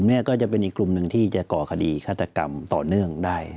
นี่ก็จะเป็นอีกกลุ่มหนึ่งที่จะก่อคดีฆาตกรรมต่อเนื่องได้